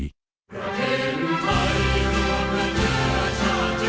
รักสามารถให้มีรักสมมติ